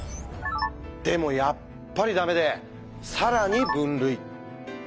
でもやっぱり駄目で更に分類。